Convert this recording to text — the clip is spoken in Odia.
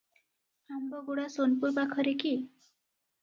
ଅମ୍ବାଗୁଡା ସୋନପୁର ପାଖରେ କି?